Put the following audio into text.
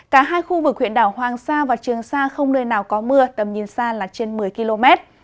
cả hai khu vực huyện đảo hoàng sa và trường sa không nơi nào có mưa tầm nhìn xa là trên một mươi km